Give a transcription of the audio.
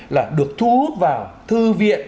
là được thu hút vào thư viện